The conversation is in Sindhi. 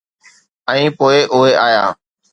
۽ پوء اهي آيا.